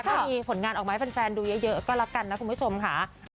ถ้ามีผลงานออกมาให้แฟนดูเยอะก็แล้วกันนะคุณผู้ชมค่ะ